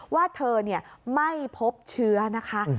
ว่าเธอไม่พบเชื้อนะคะ